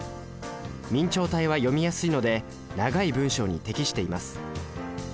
明朝体は読みやすいので長い文章に適しています。